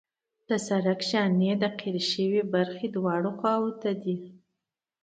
د سرک شانې د قیر شوې برخې دواړو خواو ته دي